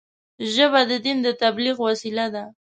ژبه د دین د تبلیغ وسیله ده